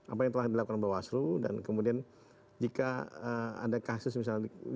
apa yang telah dilakukan bawaslu dan kemudian jika ada kasus misalnya